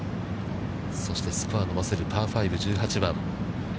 そして、スコアを伸ばせるパー５、１８番。